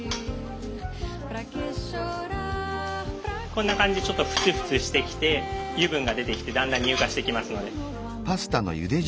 こんな感じでちょっとフツフツしてきて油分が出てきてだんだん乳化してきますので。